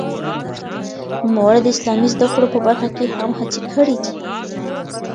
نوموړي د اسلامي زده کړو په برخه کې هم هڅې کړې دي.